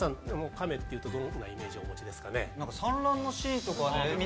カメっていうとどんなイメージをお持ちですかね。